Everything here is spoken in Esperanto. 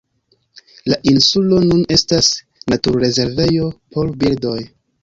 La insulo nun estas naturrezervejo por birdoj.